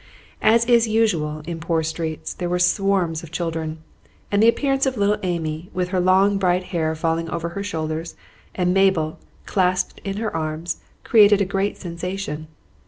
As is usual in poor streets, there were swarms of children; and the appearance of little Amy with her long bright hair falling over her shoulders and Mabel clasped in her arms created a great sensation.